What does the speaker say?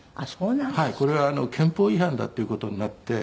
これは憲法違反だっていう事になって。